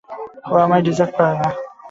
ও আমায় ডিজার্ভ করে না।